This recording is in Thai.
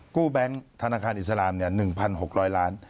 กู้แบงค์ธนาคารอิสรามเนี่ย๑๖๐๐ล้าน